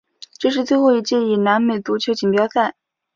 这是最后一届以南美足球锦标赛。